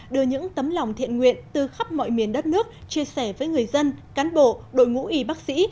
đưa những tấm lòng thiện nguyện từ khắp mọi miền đất nước chia sẻ với người dân cán bộ đội ngũ y bác sĩ